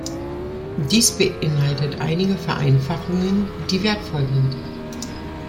Dies beinhaltet einige Vereinfachungen, die wertvoll sind.